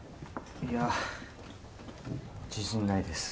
いや自信ないです。